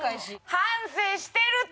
反省してるって。